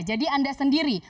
jadi anda sendiri